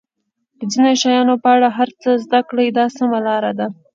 د ځینو شیانو په اړه هر څه زده کړئ دا سمه لار ده.